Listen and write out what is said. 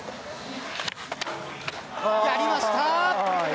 やりました！